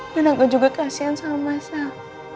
dan aku juga kasihan sama mas sal